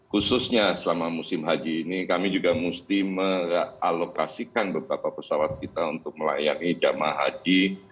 khususnya selama musim haji ini kami juga mesti mengalokasikan beberapa pesawat kita untuk melayani jamaah haji